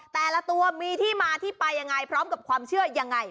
แต่ละตัวมีที่มาที่ไปยังไงพร้อมกับความเชื่อยังไง